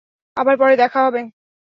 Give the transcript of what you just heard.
আবার পরে দেখা হবে।